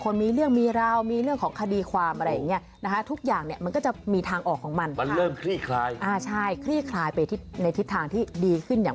ถือว่าเป็นราศีที่เตรียมรับปีใหม่ที่ดีนะ